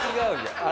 あれ？